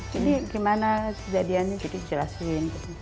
jadi gimana kejadiannya jadi dijelasin